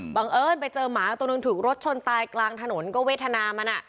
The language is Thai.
เอิญไปเจอหมาตัวหนึ่งถูกรถชนตายกลางถนนก็เวทนามัน